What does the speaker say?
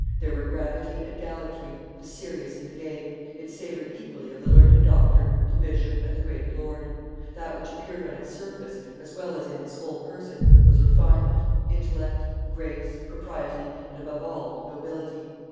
There were gravity and gallantry, the serious and the gay; it savored equally of the learned doctor, the bishop, and the great lord; that which appeared on its surface, as well as in his whole person, was refinement, intellect, grace, propriety, and, above all, nobility.